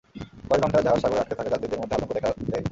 কয়েক ঘণ্টা জাহাজ সাগরে আটকে থাকায় যাত্রীদের মধ্যে আতঙ্ক দেখা দেয়।